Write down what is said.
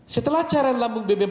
setelah caran lambung bb satu